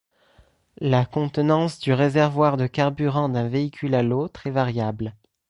La contenance du réservoir de carburant d'un véhicule à l'autre est variable.